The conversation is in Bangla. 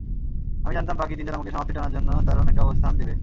আমি জানতাম, বাকি তিনজন আমাকে সমাপ্তি টানার জন্য দারুণ একটা অবস্থান দেবে।